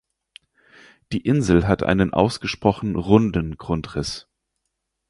Die Insel hat einen ausgesprochen runden Grundriss.